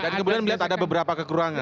dan kemudian melihat ada beberapa kekurangan